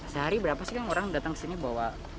sehari berapa sih orang datang kesini bawa